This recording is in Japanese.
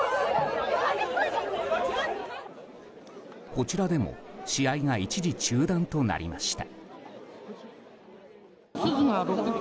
こちらでも試合が一時中断となりました。